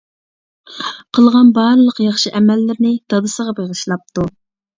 قىلغان بارلىق ياخشى ئەمەللىرىنى دادىسىغا بېغىشلاپتۇ.